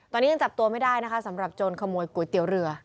ตอนนี้ยังจับตัวไม่ได้นะคะสำหรับโจรขโมยก๋วยเตี๋ยวเรือ